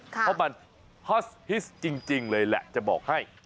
เพราะมันฮอตฮิตจริงเลยแหละจะบอกให้